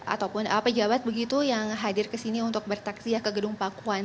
ataupun pejabat begitu yang hadir ke sini untuk bertaksiah ke gedung pakuan